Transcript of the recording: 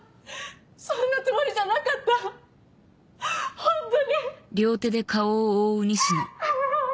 そんなつもりじゃなかったホントに。